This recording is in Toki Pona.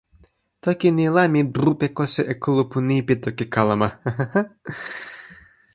toki ni la mi yupekosi e kulupu ni pi toki kalama, a a a!